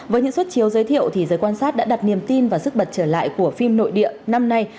với những suất chiếu giới thiệu giới quan sát đã đặt niềm tin và sức bật trở lại của phim nội địa năm nay